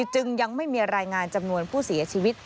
จึงยังไม่มีรายงานจำนวนผู้เสียชีวิต